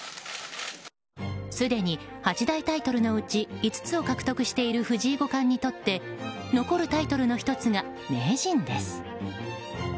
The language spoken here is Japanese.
すでに八大タイトルのうち５つを獲得している藤井五冠にとって残るタイトルの１つが名人です。